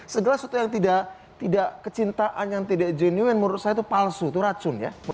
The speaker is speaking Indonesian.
segala sesuatu yang tidak kecintaan yang tidak genuin menurut saya itu palsu itu racun ya